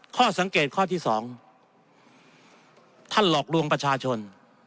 ข้อสังเกตข้อที่๒ท่านหลอกลวงประชาชน